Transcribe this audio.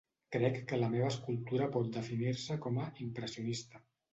Crec que la meva escultura pot definir-se com a “impressionista”.